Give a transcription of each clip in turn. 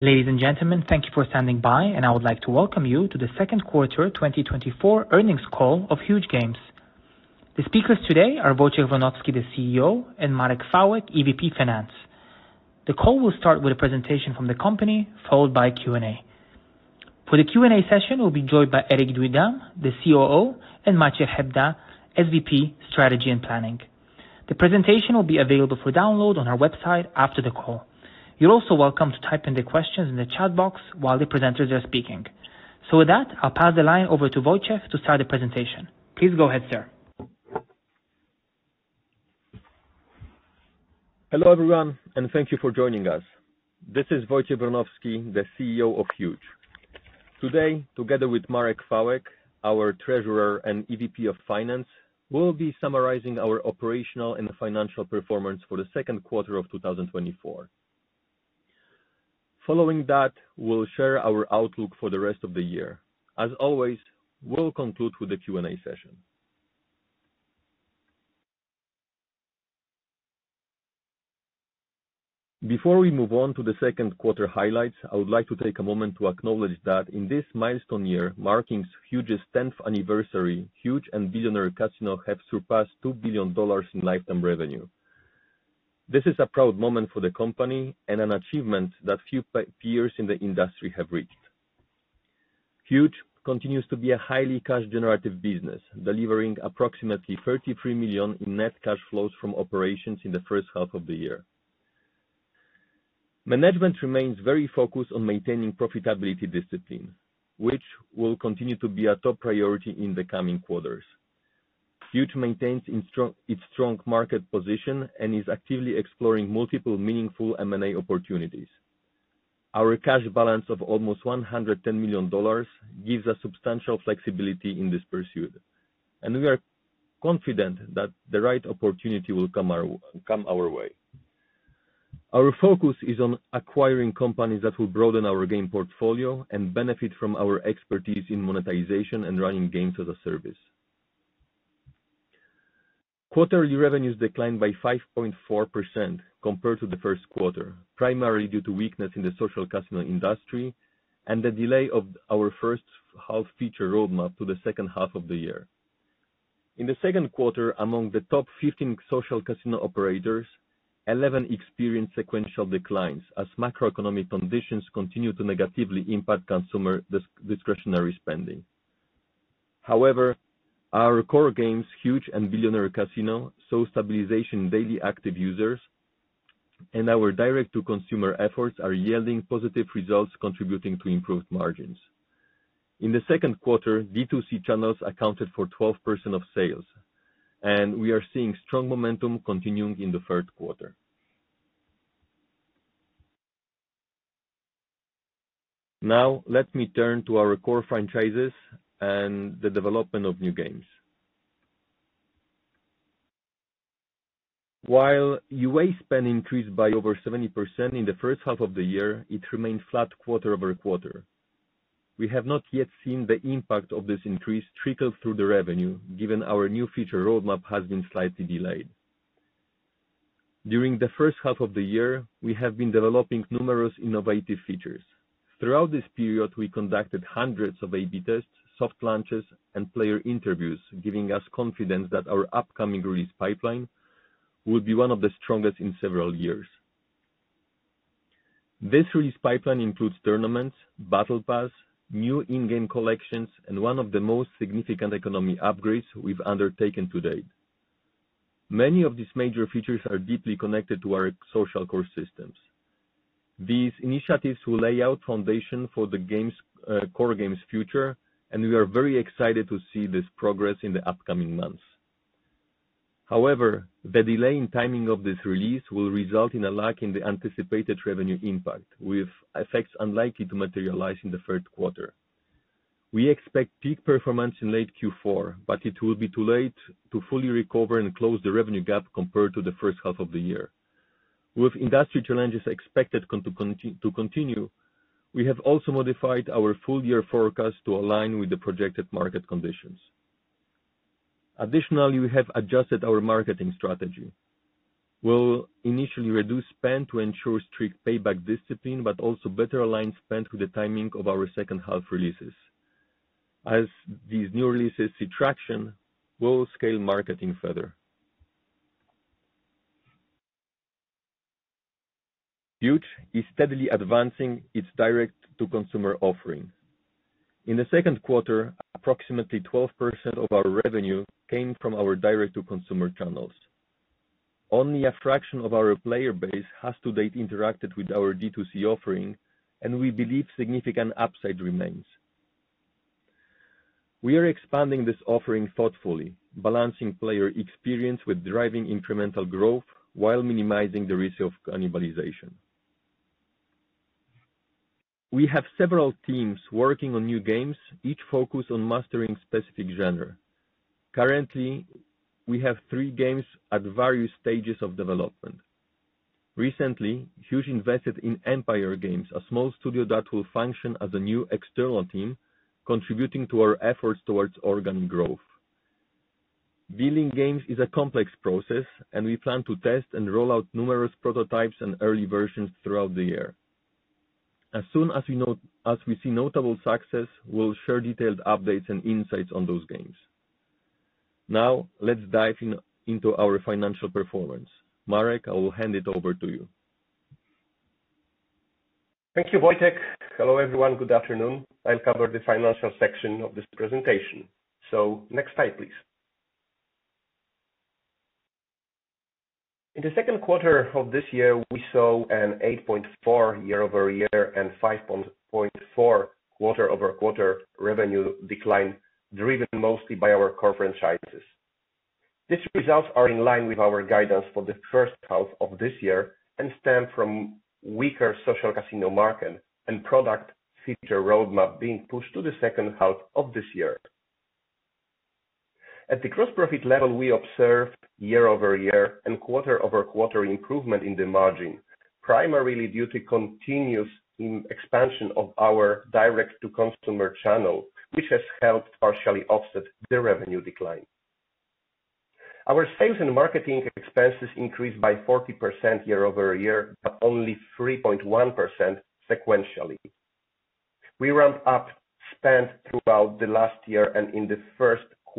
Ladies and gentlemen, thank you for standing by, and I would like to welcome you to the Second Quarter 2024 Earnings Call of Huuuge. The speakers today are Wojciech Wronowski, the CEO, and Marek Chwałek, EVP Finance. The call will start with a presentation from the company, followed by Q&A. For the Q&A session, we'll be joined by Erik Duindam, the COO, and Maciej Hebda, SVP, Strategy and Planning. The presentation will be available for download on our website after the call. You're also welcome to type in the questions in the chat box while the presenters are speaking. So with that, I'll pass the line over to Wojciech to start the presentation. Please go ahead, sir. Hello, everyone, and thank you for joining us. This is Wojciech Wnowoski, the CEO of Huuuge. Today, together with Marek Chwałek, our treasurer and EVP of Finance, we'll be summarizing our operational and financial performance for the second quarter of 2024. Following that, we'll share our outlook for the rest of the year. As always, we'll conclude with the Q&A session. Before we move on to the second quarter highlights, I would like to take a moment to acknowledge that in this milestone year, marking Huuuge's 10th anniversary, Huuuge and Billionaire Casino have surpassed $2 billion in lifetime revenue. This is a proud moment for the company and an achievement that few peers in the industry have reached. Huuuge continues to be a highly cash-generative business, delivering approximately $33 million in net cash flows from operations in the first half of the year. Management remains very focused on maintaining profitability discipline, which will continue to be a top priority in the coming quarters. Huuuge maintains its strong market position and is actively exploring multiple meaningful M&A opportunities. Our cash balance of almost $110 million gives us substantial flexibility in this pursuit, and we are confident that the right opportunity will come our way. Our focus is on acquiring companies that will broaden our game portfolio and benefit from our expertise in monetization and running games as a service. Quarterly revenues declined by 5.4% compared to the first quarter, primarily due to weakness in the social casino industry and the delay of our first half feature roadmap to the second half of the year. In the second quarter, among the top 15 social casino operators, 11 experienced sequential declines as macroeconomic conditions continue to negatively impact consumer discretionary spending. However, our core games, Huuuge and Billionaire Casino, saw stabilization in daily active users, and our direct-to-consumer efforts are yielding positive results, contributing to improved margins. In the second quarter, D2C channels accounted for 12% of sales, and we are seeing strong momentum continuing in the third quarter. Now, let me turn to our core franchises and the development of new games. While UA spend increased by over 70% in the first half of the year, it remained flat quarter over quarter. We have not yet seen the impact of this increase trickle through the revenue, given our new feature roadmap has been slightly delayed. During the first half of the year, we have been developing numerous innovative features. Throughout this period, we conducted hundreds of A/B tests, soft launches, and player interviews, giving us confidence that our upcoming release pipeline will be one of the strongest in several years. This release pipeline includes tournaments, battle pass, new in-game collections, and one of the most significant economy upgrades we've undertaken to date. Many of these major features are deeply connected to our social core systems. These initiatives will lay out foundation for the games, core games future, and we are very excited to see this progress in the upcoming months. However, the delay in timing of this release will result in a lag in the anticipated revenue impact, with effects unlikely to materialize in the third quarter. We expect peak performance in late Q4, but it will be too late to fully recover and close the revenue gap compared to the first half of the year. With industry challenges expected to continue, we have also modified our full year forecast to align with the projected market conditions. Additionally, we have adjusted our marketing strategy. We'll initially reduce spend to ensure strict payback discipline, but also better align spend with the timing of our second half releases. As these new releases see traction, we'll scale marketing further. Huuuge is steadily advancing its direct-to-consumer offering. In the second quarter, approximately 12% of our revenue came from our direct-to-consumer channels. Only a fraction of our player base has to date interacted with our D2C offering, and we believe significant upside remains. We are expanding this offering thoughtfully, balancing player experience with driving incremental growth while minimizing the risk of cannibalization. We have several teams working on new games, each focused on mastering specific genre. Currently, we have three games at various stages of development. Recently, Huuuge invested in Empire Games, a small studio that will function as a new external team, contributing to our efforts towards organic growth. Building games is a complex process, and we plan to test and roll out numerous prototypes and early versions throughout the year. As soon as we know, as we see notable success, we'll share detailed updates and insights on those games. Now, let's dive in, into our financial performance. Marek, I will hand it over to you. Thank you, Wojciech. Hello, everyone. Good afternoon. I'll cover the financial section of this presentation. So next slide, please. In the second quarter of this year, we saw an 8.4 year-over-year and 5.4 quarter-over-quarter revenue decline, driven mostly by our core franchises. These results are in line with our guidance for the first half of this year and stem from weaker social casino market and product feature roadmap being pushed to the second half of this year. At the gross profit level, we observed year-over-year and quarter-over-quarter improvement in the margin, primarily due to continuous expansion of our direct-to-consumer channel, which has helped partially offset the revenue decline. Our sales and marketing expenses increased by 40% year-over-year, but only 3.1% sequentially. We ramped up spend throughout the last year and in the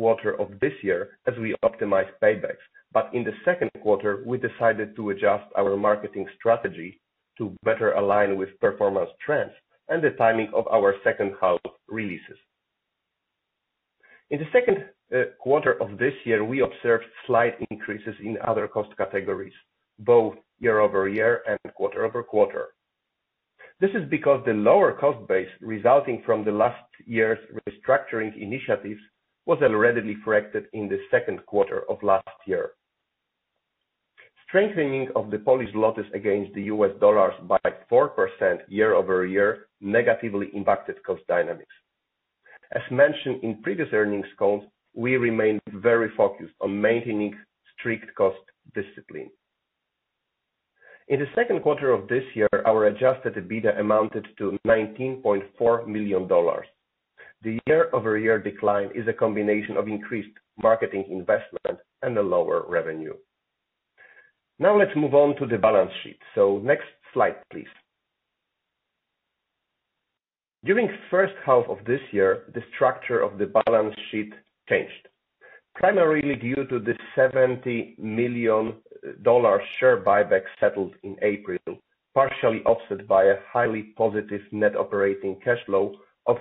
first quarter of this year as we optimized paybacks. But in the second quarter, we decided to adjust our marketing strategy to better align with performance trends and the timing of our second half releases. In the second quarter of this year, we observed slight increases in other cost categories, both year-over-year and quarter-over-quarter. This is because the lower cost base, resulting from the last year's restructuring initiatives, was already corrected in the second quarter of last year. Strengthening of the Polish zlotys against the US dollars by 4% year-over-year negatively impacted cost dynamics. As mentioned in previous earnings calls, we remained very focused on maintaining strict cost discipline. In the second quarter of this year, our Adjusted EBITDA amounted to $19.4 million. The year-over-year decline is a combination of increased marketing investment and a lower revenue. Now, let's move on to the balance sheet. So next slide, please. During the first half of this year, the structure of the balance sheet changed, primarily due to the $70 million share buyback settled in April, partially offset by a highly positive net operating cash flow of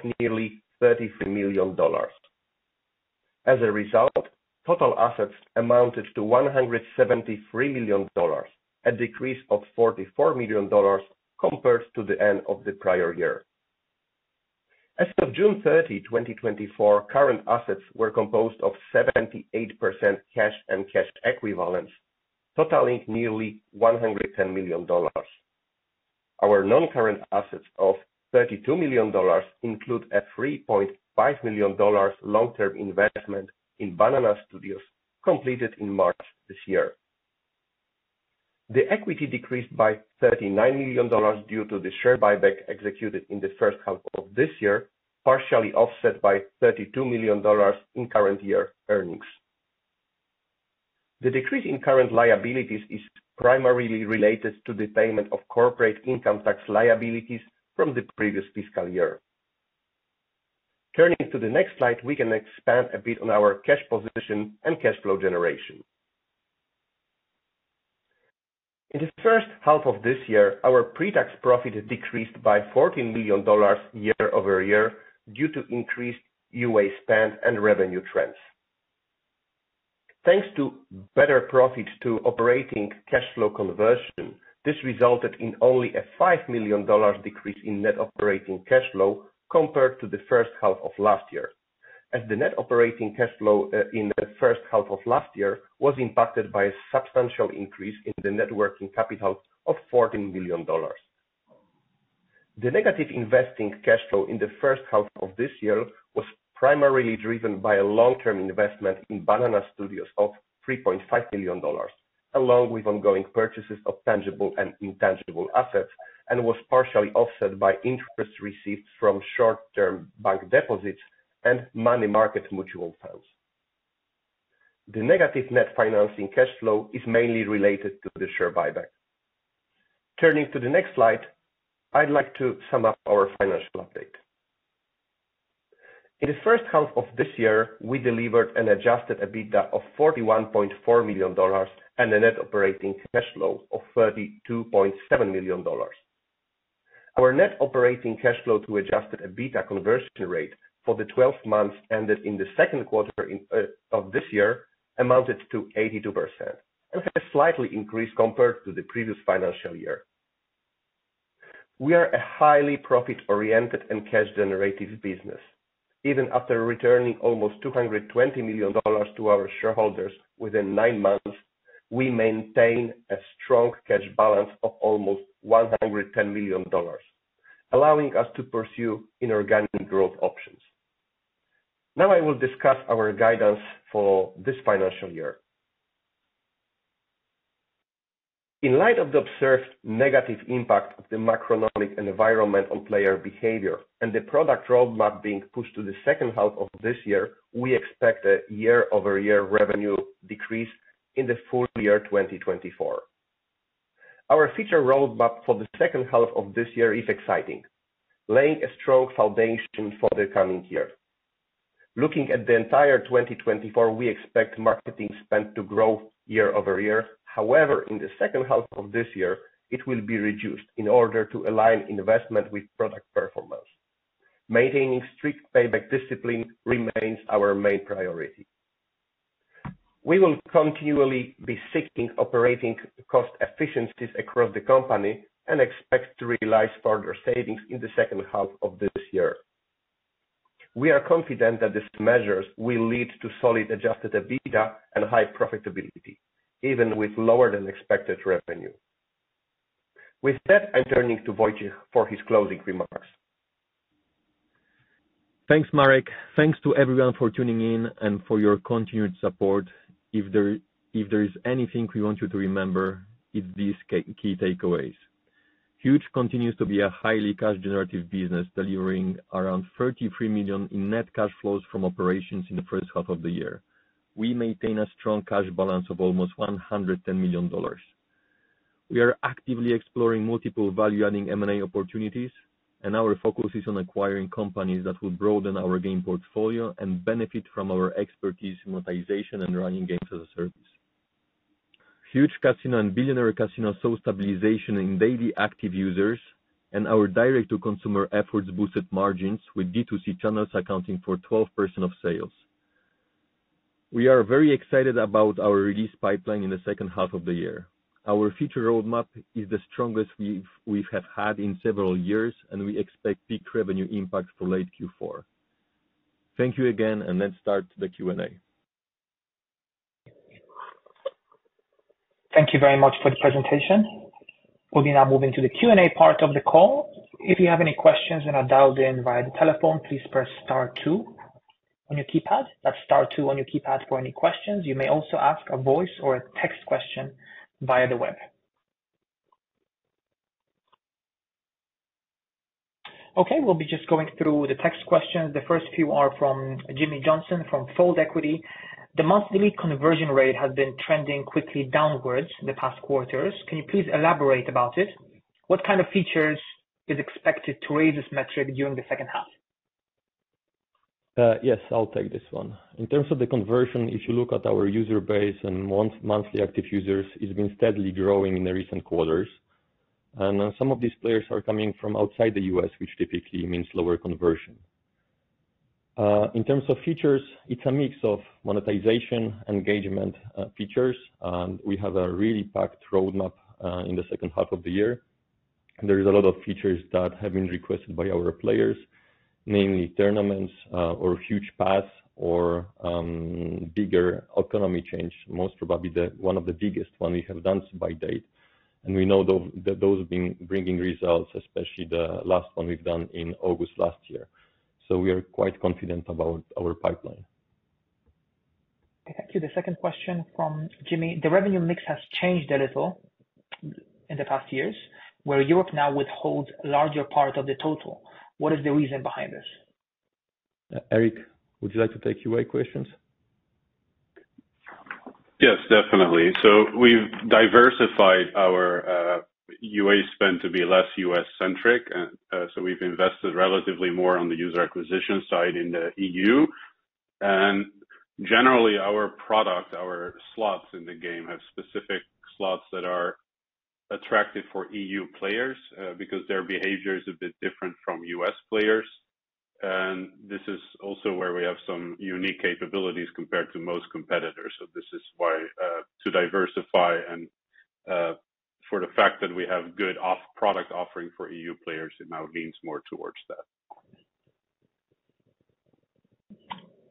nearly $33 million. As a result, total assets amounted to $173 million, a decrease of $44 million compared to the end of the prior year. As of June 30, 2024, current assets were composed of 78% cash and cash equivalents, totaling nearly $110 million. Our non-current assets of $32 million include a $3.5 million long-term investment in Banana Studios, completed in March this year. The equity decreased by $39 million due to the share buyback executed in the first half of this year, partially offset by $32 million in current year earnings. The decrease in current liabilities is primarily related to the payment of corporate income tax liabilities from the previous fiscal year. Turning to the next slide, we can expand a bit on our cash position and cash flow generation. In the first half of this year, our pre-tax profit decreased by $14 million year-over-year due to increased UA spend and revenue trends. Thanks to better profit to operating cash flow conversion, this resulted in only a $5 million decrease in net operating cash flow compared to the first half of last year. As the net operating cash flow in the first half of last year was impacted by a substantial increase in the net working capital of $14 billion. The negative investing cash flow in the first half of this year was primarily driven by a long-term investment in Banana Studios of $3.5 billion, along with ongoing purchases of tangible and intangible assets, and was partially offset by interest received from short-term bank deposits and money market mutual funds. The negative net financing cash flow is mainly related to the share buyback. Turning to the next slide, I'd like to sum up our financial update. In the first half of this year, we delivered an adjusted EBITDA of $41.4 million and a net operating cash flow of $32.7 million. Our net operating cash flow to adjusted EBITDA conversion rate for the twelve months ended in the second quarter in of this year amounted to 82%, and has slightly increased compared to the previous financial year. We are a highly profit-oriented and cash-generative business. Even after returning almost $220 million to our shareholders within nine months, we maintain a strong cash balance of almost $110 million, allowing us to pursue inorganic growth options. Now, I will discuss our guidance for this financial year. In light of the observed negative impact of the macroeconomic environment on player behavior and the product roadmap being pushed to the second half of this year, we expect a year-over-year revenue decrease in the full year 2024. Our future roadmap for the second half of this year is exciting, laying a strong foundation for the coming year. Looking at the entire 2024, we expect marketing spend to grow year over year. However, in the second half of this year, it will be reduced in order to align investment with product performance. Maintaining strict payback discipline remains our main priority. We will continually be seeking operating cost efficiencies across the company and expect to realize further savings in the second half of this year. We are confident that these measures will lead to solid adjusted EBITDA and high profitability, even with lower than expected revenue. With that, I'm turning to Wojciech for his closing remarks. Thanks, Marek. Thanks to everyone for tuning in and for your continued support. If there is anything we want you to remember, it's these key, key takeaways. Huuuge continues to be a highly cash generative business, delivering around $33 million in net cash flows from operations in the first half of the year. We maintain a strong cash balance of almost $110 million. We are actively exploring multiple value-adding M&A opportunities, and our focus is on acquiring companies that will broaden our game portfolio and benefit from our expertise in monetization and running games as a service. Huuuge Casino and Billionaire Casino saw stabilization in daily active users, and our direct-to-consumer efforts boosted margins, with D2C channels accounting for 12% of sales. We are very excited about our release pipeline in the second half of the year. Our future roadmap is the strongest we've had in several years, and we expect big revenue impacts for late Q4. Thank you again, and let's start the Q&A. Thank you very much for the presentation. We'll now move into the Q&A part of the call. If you have any questions and are dialed in via the telephone, please press star two on your keypad. That's star two on your keypad for any questions. You may also ask a voice or a text question via the web. Okay, we'll be just going through the text questions. The first few are from Jimmy Johnson from Fold Equity. The monthly conversion rate has been trending quickly downwards in the past quarters. Can you please elaborate about it? What kind of features is expected to raise this metric during the second half? Yes, I'll take this one. In terms of the conversion, if you look at our user base and monthly active users, it's been steadily growing in the recent quarters. And some of these players are coming from outside the U.S., which typically means lower conversion. In terms of features, it's a mix of monetization, engagement, features. We have a really packed roadmap in the second half of the year. There is a lot of features that have been requested by our players, mainly tournaments, or Huuuge Pass or bigger economy change, most probably the one of the biggest one we have done so far to date. And we know that those have been bringing results, especially the last one we've done in August last year. So we are quite confident about our pipeline. Okay, thank you. The second question from Jimmy: The revenue mix has changed a little in the past years, where Europe now holds a larger part of the total. What is the reason behind this? Erik, would you like to take UA questions? Yes, definitely. So we've diversified our UA spend to be less U.S.-centric. And so we've invested relatively more on the user acquisition side in the E.U. And generally, our product, our slots in the game, have specific slots that are attractive for E.U. players because their behavior is a bit different from U.S. players. And this is also where we have some unique capabilities compared to most competitors. So this is why, to diversify and for the fact that we have good product offering for E.U. players, it now leans more towards that.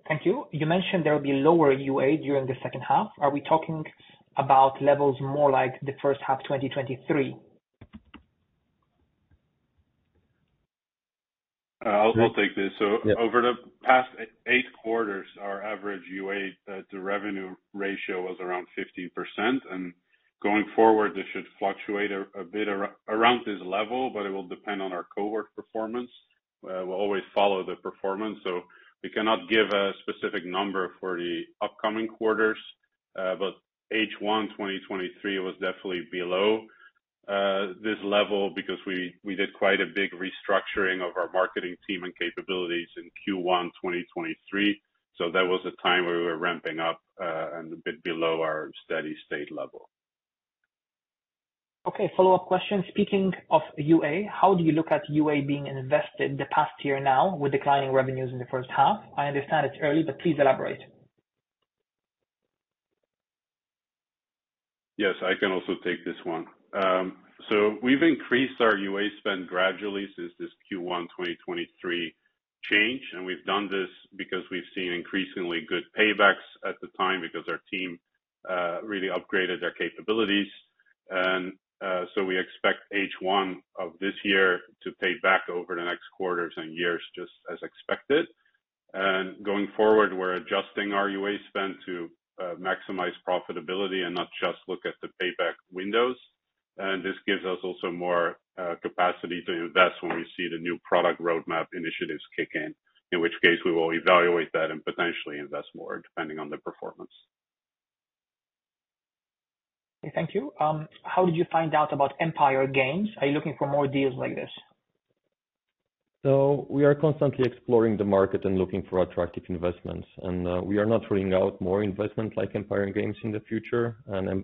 Thank you. You mentioned there will be lower UA during the second half. Are we talking about levels more like the first half, 2023? I'll take this. Yeah. Over the past eight quarters, our average UA to revenue ratio was around 50%, and going forward, this should fluctuate a bit around this level, but it will depend on our cohort performance. We'll always follow the performance, so we cannot give a specific number for the upcoming quarters. H1 2023 was definitely below this level because we did quite a big restructuring of our marketing team and capabilities in Q1 2023. That was a time where we were ramping up and a bit below our steady state level. Okay, follow-up question. Speaking of UA, how do you look at UA being invested in the past year now with declining revenues in the first half? I understand it's early, but please elaborate. Yes, I can also take this one, so we've increased our UA spend gradually since this Q1 2023 change, and we've done this because we've seen increasingly good paybacks at the time because our team really upgraded their capabilities, and so we expect H1 of this year to pay back over the next quarters and years, just as expected. And going forward, we're adjusting our UA spend to maximize profitability and not just look at the payback windows, and this gives us also more capacity to invest when we see the new product roadmap initiatives kick in, in which case we will evaluate that and potentially invest more, depending on the performance. Okay, thank you. How did you find out about Empire Games? Are you looking for more deals like this? We are constantly exploring the market and looking for attractive investments, and we are not ruling out more investment like Empire Games in the future.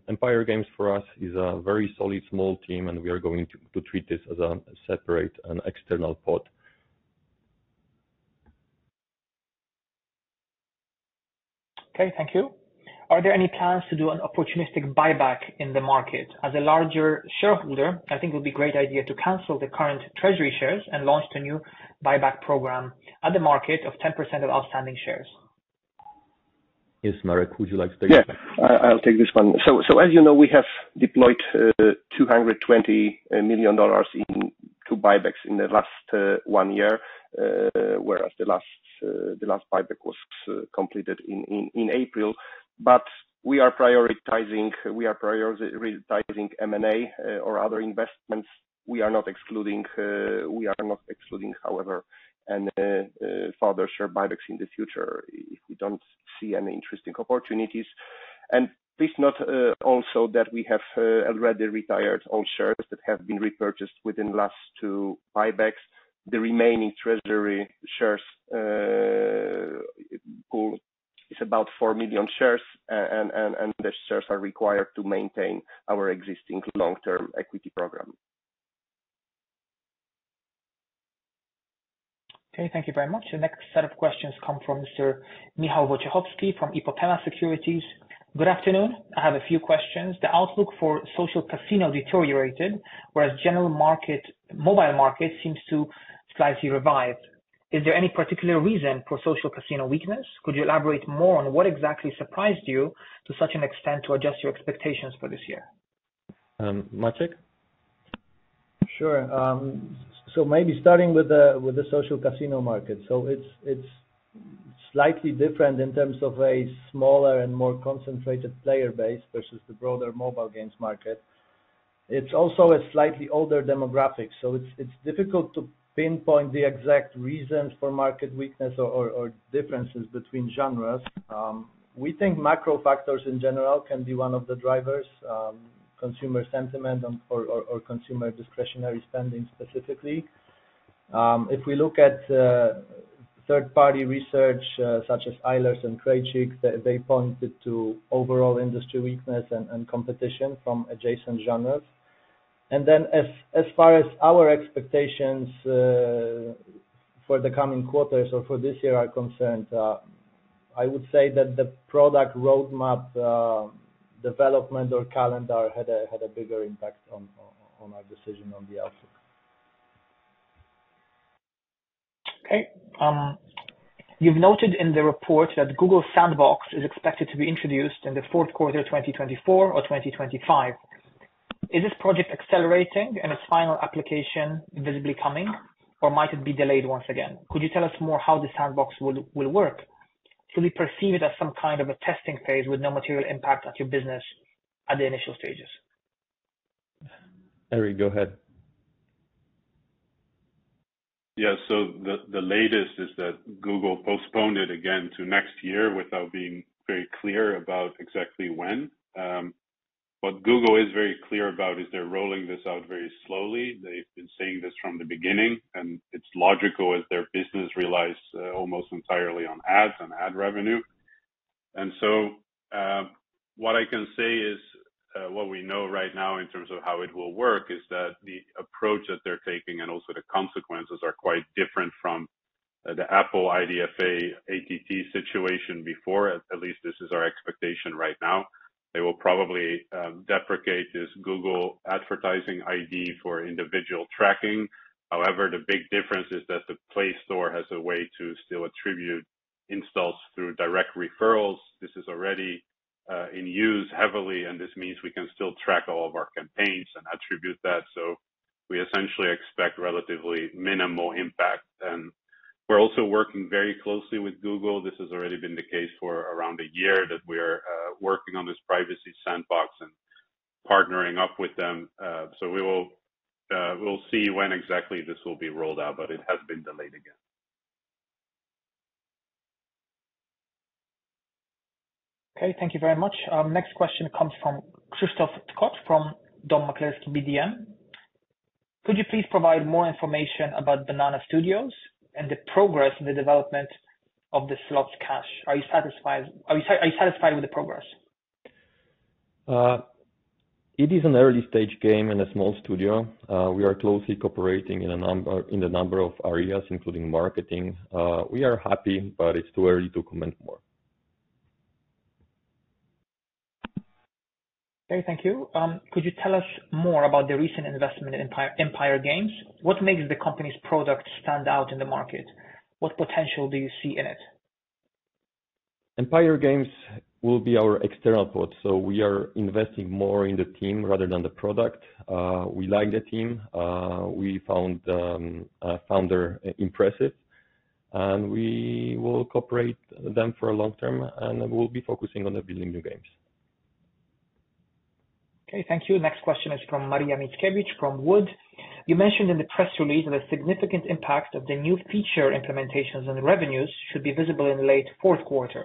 Empire Games for us is a very solid, small team, and we are going to treat this as a separate and external team. Okay, thank you. Are there any plans to do an opportunistic buyback in the market? As a larger shareholder, I think it would be a great idea to cancel the current treasury shares and launch the new buyback program at the market of 10% of outstanding shares. Yes, Marek, would you like to take that? Yeah, I'll take this one. So as you know, we have deployed $220 million in two buybacks in the last one year, whereas the last buyback was completed in April. But we are prioritizing M&A or other investments. We are not excluding, however, further share buybacks in the future if we don't see any interesting opportunities. And please note also that we have already retired all shares that have been repurchased within last two buybacks. The remaining treasury shares pool is about 4 million shares, and the shares are required to maintain our existing long-term equity program. Okay, thank you very much. The next set of questions come from Sir Michał Wojciechowski from Ipopema Securities. Good afternoon. I have a few questions. The outlook for Social Casino deteriorated, whereas general market, mobile market seems to slightly revive. Is there any particular reason for Social Casino weakness? Could you elaborate more on what exactly surprised you to such an extent, to adjust your expectations for this year? Um, Maciej? Sure. So, maybe starting with the social casino market, it's slightly different in terms of a smaller and more concentrated player base versus the broader mobile games market. It's also a slightly older demographic, so it's difficult to pinpoint the exact reasons for market weakness or differences between genres. We think macro factors in general can be one of the drivers, consumer sentiment and/or consumer discretionary spending, specifically. If we look at third-party research, such as Eilers & Krejcik, they pointed to overall industry weakness and competition from adjacent genres. And then as far as our expectations for the coming quarters or for this year are concerned, I would say that the product roadmap development or calendar had a bigger impact on our decision on the outlook. Okay. You've noted in the report that Privacy Sandbox is expected to be introduced in the fourth quarter of 2024 or 2025. Is this project accelerating and its final application visibly coming, or might it be delayed once again? Could you tell us more how the Sandbox will work? Should we perceive it as some kind of a testing phase with no material impact on your business at the initial stages? Erik, go ahead. Yeah. So the latest is that Google postponed it again to next year without being very clear about exactly when. What Google is very clear about is they're rolling this out very slowly. They've been saying this from the beginning, and it's logical as their business relies almost entirely on ads and ad revenue. And so, what I can say is, what we know right now in terms of how it will work, is that the approach that they're taking, and also the consequences, are quite different from the Apple IDFA, ATT situation before. At least this is our expectation right now. They will probably deprecate this Google Advertising ID for individual tracking. However, the big difference is that the Play Store has a way to still attribute installs through direct referrals. This is already in use heavily, and this means we can still track all of our campaigns and attribute that. So we essentially expect relatively minimal impact. And we're also working very closely with Google. This has already been the case for around a year, that we're working on this Privacy Sandbox and partnering up with them. So we will, we'll see when exactly this will be rolled out, but it has been delayed again. Okay, thank you very much. Next question comes from Krzysztof Tkocz, from Dom Maklerski BDM. Could you please provide more information about Banana Studios and the progress in the development of the Slots Cash? Are you satisfied with the progress? It is an early stage game and a small studio. We are closely cooperating in a number of areas, including marketing. We are happy, but it's too early to comment more. Okay, thank you. Could you tell us more about the recent investment in Empire Games? What makes the company's product stand out in the market? What potential do you see in it?... Empire Games will be our external partner, so we are investing more in the team rather than the product. We like the team, we found a founder impressive, and we will cooperate with them for a long term, and we'll be focusing on the building new games. Okay, thank you. Next question is from Maria Mickiewicz from Wood. You mentioned in the press release that a significant impact of the new feature implementations and the revenues should be visible in late fourth quarter.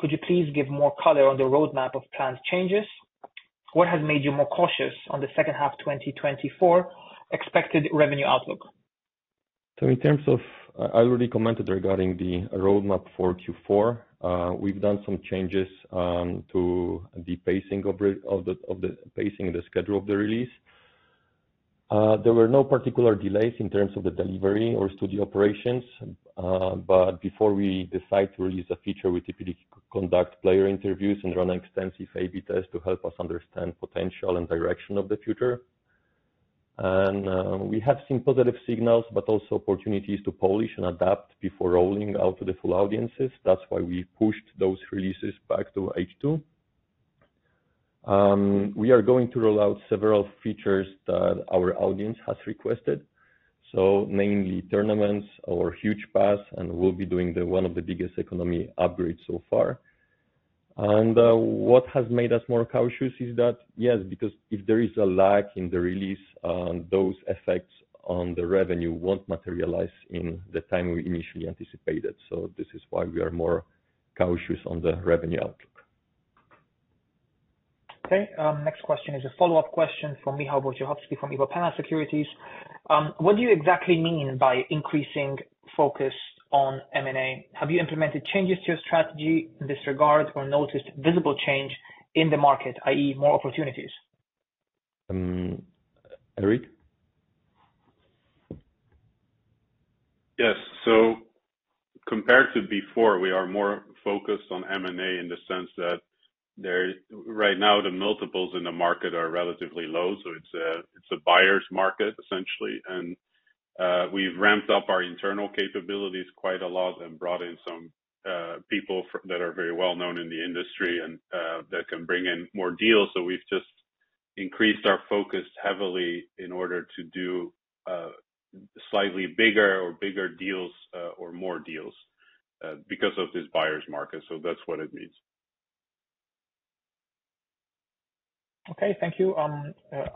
Could you please give more color on the roadmap of planned changes? What has made you more cautious on the second half 2024 expected revenue outlook? In terms of, I already commented regarding the roadmap for Q4. We've done some changes to the pacing and the schedule of the release. There were no particular delays in terms of the delivery or studio operations, but before we decide to release a feature, we typically conduct player interviews and run extensive A/B tests to help us understand potential and direction of the future. We have seen positive signals, but also opportunities to polish and adapt before rolling out to the full audiences. That's why we pushed those releases back to H2. We are going to roll out several features that our audience has requested, so mainly tournaments or Huuuge Pass, and we'll be doing one of the biggest economy upgrades so far. What has made us more cautious is that, yes, because if there is a lag in the release, those effects on the revenue won't materialize in the time we initially anticipated, so this is why we are more cautious on the revenue outlook. Okay, next question is a follow-up question from Michał Bojarski from XTB Securities. What do you exactly mean by increasing focus on M&A? Have you implemented changes to your strategy in this regard or noticed visible change in the market, i.e., more opportunities? Um, Erik? Yes. So compared to before, we are more focused on M&A in the sense that right now, the multiples in the market are relatively low, so it's a buyer's market, essentially. And we've ramped up our internal capabilities quite a lot and brought in some people that are very well known in the industry and that can bring in more deals. So we've just increased our focus heavily in order to do slightly bigger or bigger deals or more deals because of this buyer's market. So that's what it means. Okay, thank you.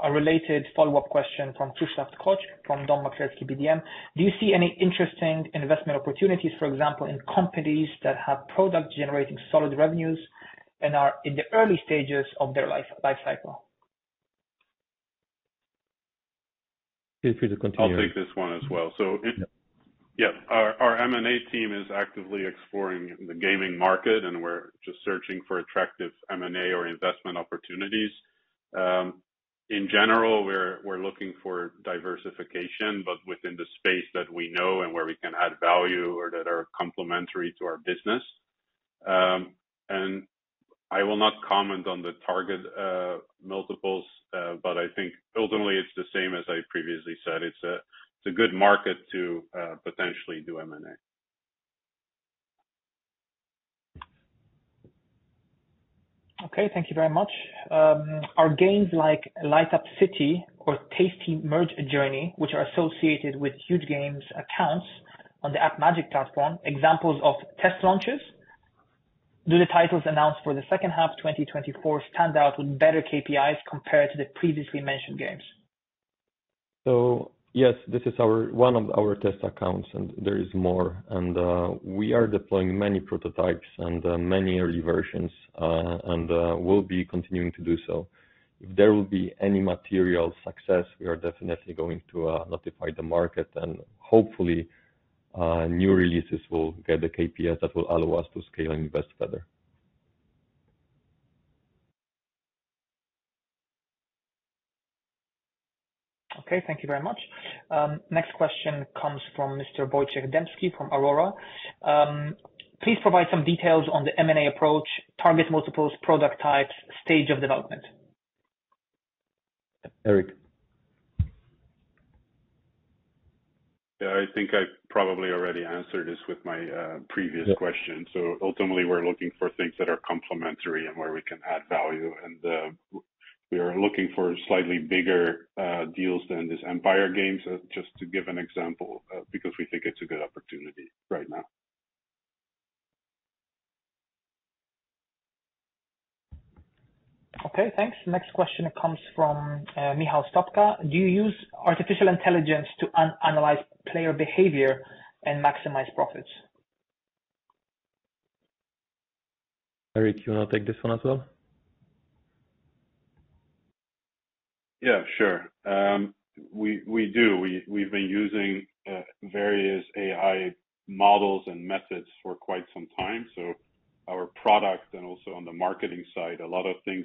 A related follow-up question from Krzysztof Koc from Dom Maklerski BDM. Do you see any interesting investment opportunities, for example, in companies that have products generating solid revenues and are in the early stages of their life cycle? Feel free to continue. I'll take this one as well. So it- Yeah. Yeah. Our M&A team is actively exploring the gaming market, and we're just searching for attractive M&A or investment opportunities. In general, we're looking for diversification, but within the space that we know and where we can add value or that are complementary to our business. And I will not comment on the target multiples, but I think ultimately it's the same as I previously said, it's a good market to potentially do M&A. Okay, thank you very much. Are games like Light Up City or Tasty Merge Journey, which are associated with Huuuge Games accounts on the AppMagic platform, examples of test launches? Do the titles announced for the second half 2024 stand out with better KPIs compared to the previously mentioned games? So yes, this is our one of our test accounts, and there is more, and we are deploying many prototypes and many early versions, and we'll be continuing to do so. If there will be any material success, we are definitely going to notify the market, and hopefully new releases will get the KPIs that will allow us to scale and invest further. Okay, thank you very much. Next question comes from Mr. Wojciech Demski from Aurora. Please provide some details on the M&A approach, target multiples, product types, stage of development. Erik? Yeah, I think I probably already answered this with my previous question. Yeah. So ultimately, we're looking for things that are complementary and where we can add value. And, we are looking for slightly bigger, deals than this Empire Games, just to give an example, because we think it's a good opportunity right now. Okay, thanks. Next question comes from Michał Stopka. Do you use artificial intelligence to analyze player behavior and maximize profits? Erik, do you want to take this one as well? Yeah, sure. We do. We've been using various AI models and methods for quite some time, so our product and also on the marketing side, a lot of things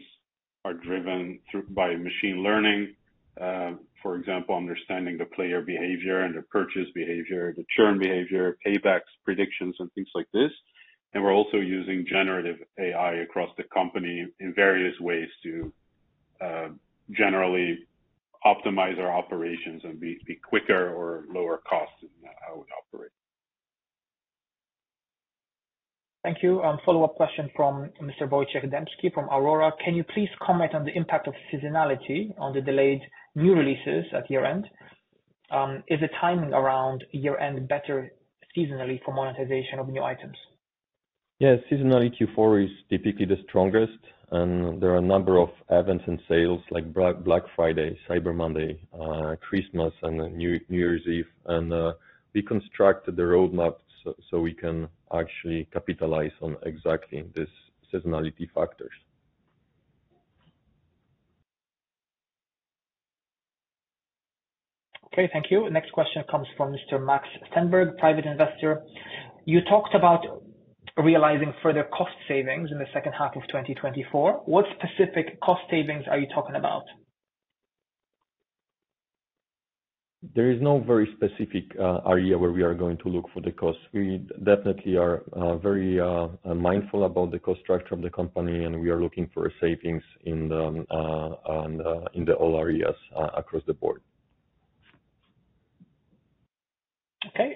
are driven through by machine learning. For example, understanding the player behavior and the purchase behavior, the churn behavior, paybacks, predictions, and things like this, and we're also using generative AI across the company in various ways to- ... generally optimize our operations and be quicker or lower cost in how we operate. Thank you. Follow-up question from Mr. Wojciech Demski from Aurora. Can you please comment on the impact of seasonality on the delayed new releases at year-end? Is the timing around year-end better seasonally for monetization of new items? Yes, seasonality Q4 is typically the strongest, and there are a number of events and sales, like Black Friday, Cyber Monday, Christmas, and then New Year's Eve. And, we constructed the roadmap so we can actually capitalize on exactly this seasonality factors. Okay, thank you. Next question comes from Mr. Max Stenberg, private investor. You talked about realizing further cost savings in the second half of 2024. What specific cost savings are you talking about? There is no very specific area where we are going to look for the cost. We definitely are very mindful about the cost structure of the company, and we are looking for savings in all areas across the board. Okay,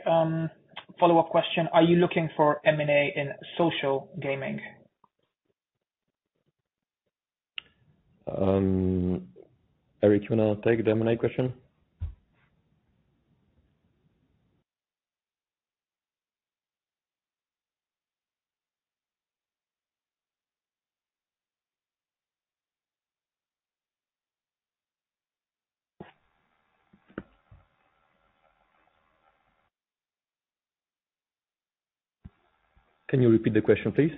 follow-up question: Are you looking for M&A in social gaming? Erik, you want to take the M&A question? Can you repeat the question, please?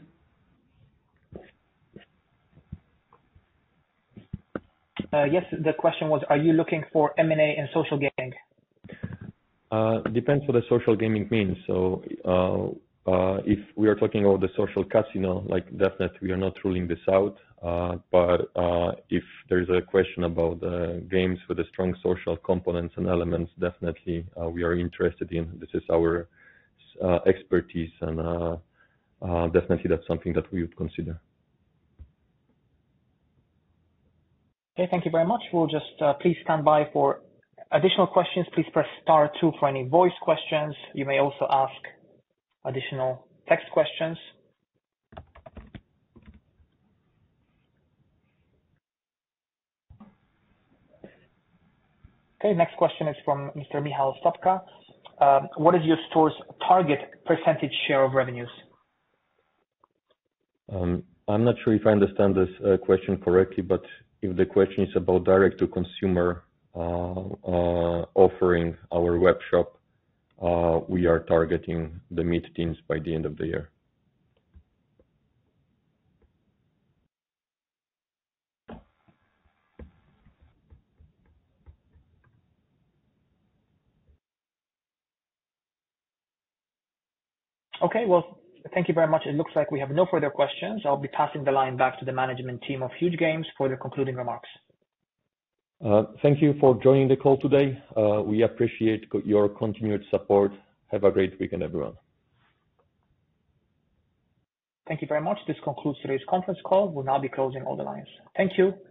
Yes. The question was, are you looking for M&A in social gaming? Depends what the social gaming means. So, if we are talking about the social casino, like, definitely we are not ruling this out. But, if there is a question about games with a strong social components and elements, definitely, we are interested in. This is our expertise, and definitely that's something that we would consider. Okay, thank you very much. We'll just please stand by for additional questions. Please press star two for any voice questions. You may also ask additional text questions. Okay, next question is from Mr. Michał Stopka. What is your store's target percentage share of revenues? I'm not sure if I understand this question correctly, but if the question is about direct to consumer offering our webshop, we are targeting the mid-teens by the end of the year. Okay. Well, thank you very much. It looks like we have no further questions. I'll be passing the line back to the management team of Huuuge for their concluding remarks. Thank you for joining the call today. We appreciate your continued support. Have a great weekend, everyone. Thank you very much. This concludes today's conference call. We'll now be closing all the lines. Thank you, and-